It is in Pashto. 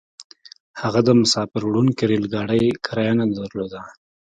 هغه د مساپر وړونکي ريل ګاډي کرايه نه درلوده.